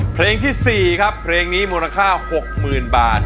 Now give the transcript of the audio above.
เพลงที่๔ครับเพลงนี้มูลค่า๖๐๐๐บาท